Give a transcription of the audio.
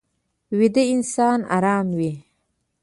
ویده انسان ارام وي